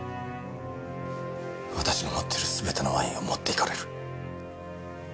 私の持っているすべてのワインを持っていかれる。